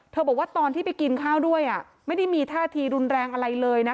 บอกว่าตอนที่ไปกินข้าวด้วยไม่ได้มีท่าทีรุนแรงอะไรเลยนะคะ